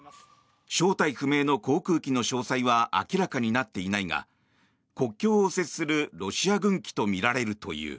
正体不明の航空機の詳細は明らかになっていないが国境を接するロシア軍機とみられるという。